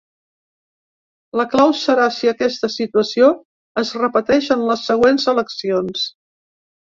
La clau serà si aquesta situació es repeteix en les següents eleccions.